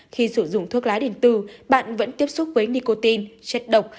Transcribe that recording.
khi sử dụng thuốc lá điện tử bạn vẫn tiếp xúc với nicotine chất độc